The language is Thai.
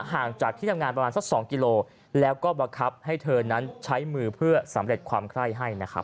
ห่างจากที่ทำงานประมาณสัก๒กิโลแล้วก็บังคับให้เธอนั้นใช้มือเพื่อสำเร็จความไคร้ให้นะครับ